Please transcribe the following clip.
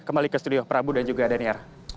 kembali ke studio prabu dan juga daniar